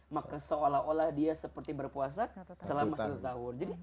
maka seolah olah dia seperti berpuasa selama satu tahun